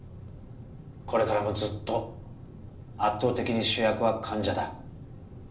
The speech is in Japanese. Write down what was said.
これからもずっと圧倒的に主役は患者だ。